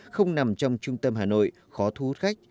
không nằm trong trung tâm hà nội khó thu hút khách